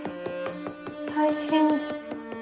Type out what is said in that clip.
大変。